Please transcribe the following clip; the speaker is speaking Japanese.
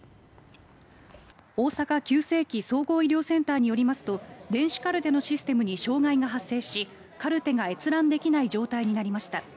大阪急性期・総合医療センターによりますと電子カルテのシステムに障害が発生しカルテが閲覧できない状態になりました。